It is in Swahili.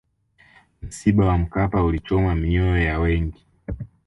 msiba wa mkapa ulichoma mioyo ya wengi